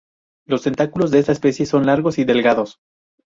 Los tentáculos de esta especie son largos y delgados.